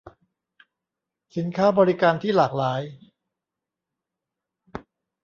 สินค้าบริการที่หลากหลาย